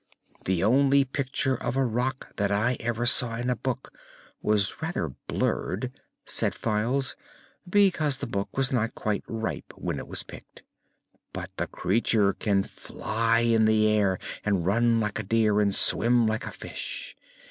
"The only picture of a Rak that I ever saw in a book was rather blurred," said Files, "because the book was not quite ripe when it was picked. But the creature can fly in the air and run like a deer and swim like a fish.